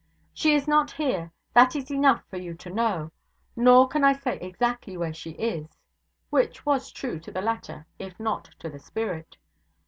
'She is not here: that is enough for you to know. Nor can I say exactly where she is' (which was true to the letter if not to the spirit).